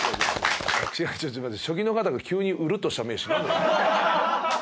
ちょっと待って。